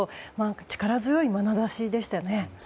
力強いまなざしでしたね。